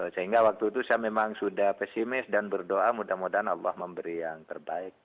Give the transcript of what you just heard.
sehingga waktu itu saya memang sudah pesimis dan berdoa mudah mudahan allah memberi yang terbaik